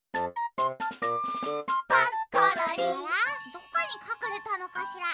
どこにかくれたのかしら。